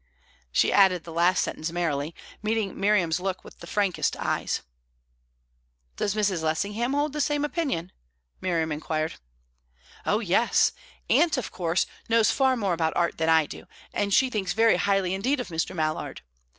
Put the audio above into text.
She added the last sentence merrily, meeting Miriam's look with the frankest eyes. "Does Mrs. Lessingham hold the same opinion?" Miriam inquired. "Oh yes! Aunt, of course, knows far more about art than I do, and she thinks very highly indeed of Mr. Mallard.